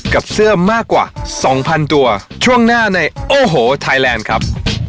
กับเสื้อมากกว่า๒๐๐ตัวช่วงหน้าในโอ้โหไทยแลนด์ครับ